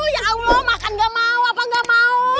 ya allah makan gak mau apa nggak mau